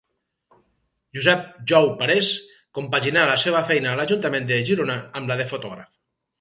Josep Jou Parés compaginà la seva feina a l’Ajuntament de Girona amb la de fotògraf.